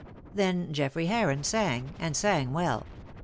Then Geoffrey Heron sang, and sang well.